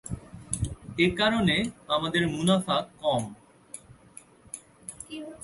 এ কারণে আমাদের মুনাফা কম।